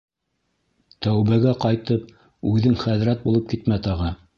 Тәүбәгә ҡайтып, үҙең хәҙрәт булып китмә тағы.